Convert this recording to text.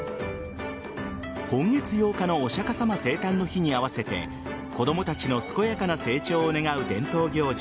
今月８日のお釈迦様生誕の日に合わせて子供たちの健やかな成長を願う伝統行事